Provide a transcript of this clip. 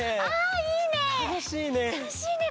いいね！